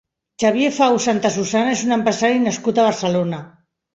Xavier Faus Santasusana és un empresari nascut a Barcelona.